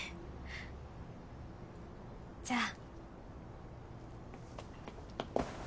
じゃあ。